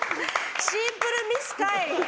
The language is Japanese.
シンプルミスかい！